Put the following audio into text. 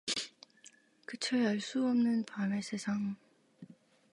끝을 알 수 없는 밤의 세상